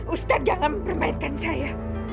ustadz jangan mempermainkan saya